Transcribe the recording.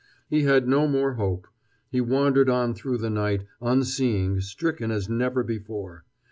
He had no more hope. He wandered on through the night, unseeing, stricken as never before.